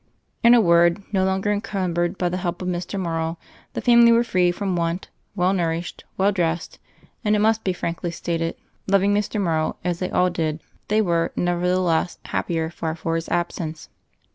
In a word, no longer encumbered by the help of Mr. Mor row, the family were free from want, well nourished, well dressed, and, it must be frankly stated, loving Mr. Morrow as they all did, they were, nevertneless, happier far for his absence.